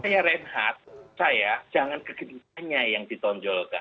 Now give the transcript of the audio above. saya renhat saya jangan kegenitanya yang ditonjolkan